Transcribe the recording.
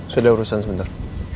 sudah urusan sebentar